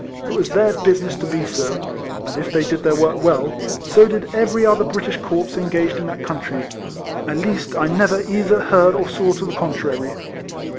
It was their business to be so; and if they did their work well, so did every other British corps engaged in that country, at least I never either heard or saw to the contrary.